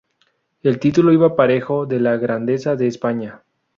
El título iba parejo de la Grandeza de España.